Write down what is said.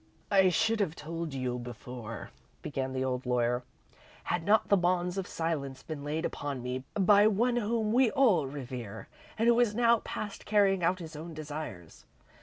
"I should have told you before," began the old lawyer, "had not the bonds of silence been laid upon me by one whom we all revere and who is now past carrying out his own desires.